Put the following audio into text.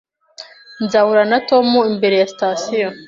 Nzahura na Tom imbere ya sitasiyo